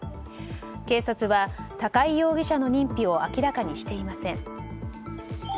警察は、高井容疑者の認否を明らかにしていません。